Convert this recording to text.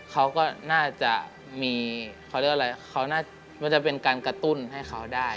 เขาก็น่าจะมีการกระตุ้นให้เขาได้